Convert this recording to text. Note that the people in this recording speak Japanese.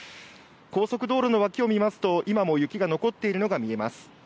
高速道路の脇を見ますと今も雪が残っているのが見えます。